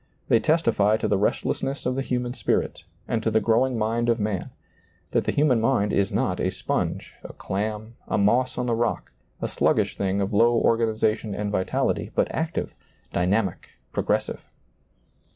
They testify to the restlessness of the human spirit and to the growing mind of ^lailizccbvGoOgle 176 SEEING DARKLY man, that the human mind is not a sponge, a clam, a moss on the rock, a sluggish thing of low organization and vitality, but active, dy namic, progressive.